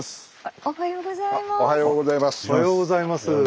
おはようございます。